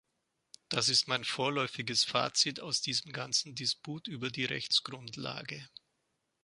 Das ist mein vorläufiges Fazit aus diesem ganzen Disput über die Rechtsgrundlage.